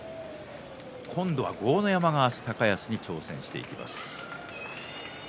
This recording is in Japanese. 今度は豪ノ山は高安に挑戦していきます。